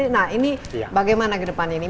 nah ini bagaimana ke depannya ini